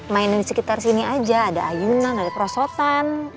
mainan di sekitar sini aja ada ayunan ada perosotan